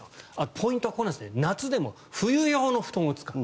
ポイントは夏でも冬用の布団を使う。